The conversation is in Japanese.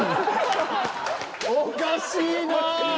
おかしいなぁ。